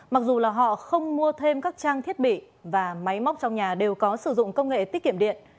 mặc dù là họ không mua thêm các trang thiết bị và máy móc trong nhà đều có sử dụng công nghệ tiết kiệm điện